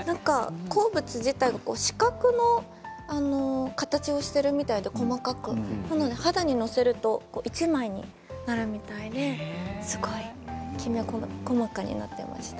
鉱物自体は四角の形をしているみたいで、細かくなので肌に載せると１枚になるみたいですごいきめ細かになっていました。